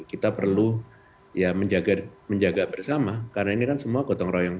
kita perlu ya menjaga bersama karena ini kan semua gotong royong